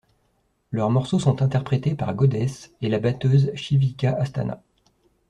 Leurs morceaux sont interprétés par Goddess et la batteuse Shivika Asthana.